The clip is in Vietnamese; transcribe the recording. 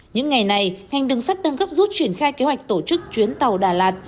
những ngày này ngành đường sắt đang gấp rút triển khai kế hoạch tổ chức chuyến tàu đà lạt